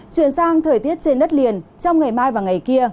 chuyển sang thời tiết trên đất liền trong ngày mai và ngày kia